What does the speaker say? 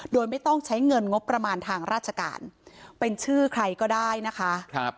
โดยไม่ต้องใช้เงินงบประมาณทางราชการเป็นชื่อใครก็ได้นะคะ